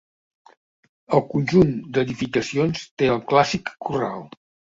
El conjunt d'edificacions té el clàssic corral.